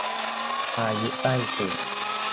พายุใต้ฝุ่น